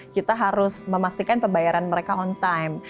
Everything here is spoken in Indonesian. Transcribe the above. kita harus memastikan pembayaran mereka on time